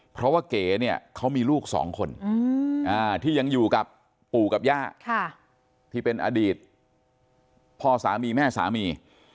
เพราะว่าเก๋เนี่ยเขามีลูกสองคนที่ยังอยู่กับปู่กับย่าที่เป็นอดีตพ่อสามีแม่สามี